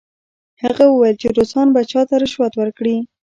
هغه وویل چې روسان به چا ته رشوت ورکړي؟